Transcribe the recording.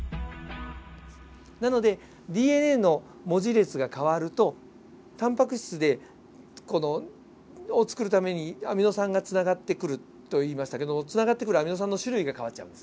なのでＤＮＡの文字列が変わるとタンパク質を作るためにアミノ酸がつながってくると言いましたけどつながってくるアミノ酸の種類が変わっちゃうんですね。